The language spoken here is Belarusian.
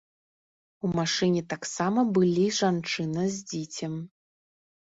У машыне таксама былі жанчына з дзіцем.